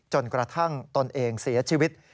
จนกระทั่งตนเองเสียชีวิต